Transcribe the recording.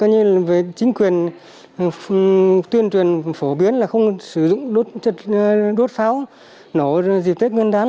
qua có nhiên là với chính quyền tuyên truyền phổ biến là không sử dụng đốt pháo nổ dịp tết nguyên đán